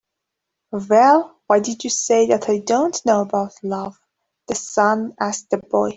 "Well, why did you say that I don't know about love?" the sun asked the boy.